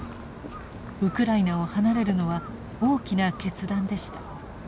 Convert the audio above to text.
ウクライナを離れるのは大きな決断でした。